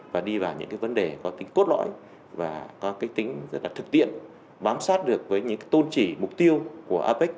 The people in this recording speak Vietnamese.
và đi vào những vấn đề có tính cốt lõi và có tính rất là thực tiện bám sát được với những tôn chỉ mục tiêu của apec